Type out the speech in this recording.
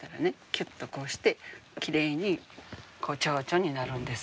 キュッとこうしてきれいにチョウチョになるんです。